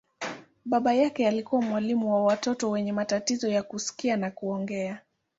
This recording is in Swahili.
Baba yake alikuwa mwalimu wa watoto wenye matatizo ya kusikia na kuongea.